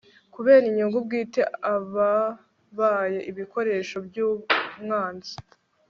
kubera inyungu bwite, ababaye ibikoresho by'umwanzi